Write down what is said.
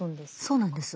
そうなんです。